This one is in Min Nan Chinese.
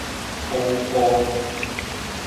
統埔